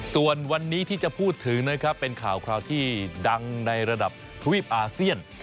ส่วนวันนี้ที่จะพูดถึงนะครับเป็นข่าวที่ดังในระดับทวีปอาเซียน